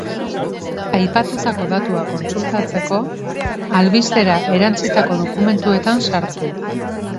Aipatutako datuak kontsultatzeko, albistera erantsitako dokumentuetan sartu.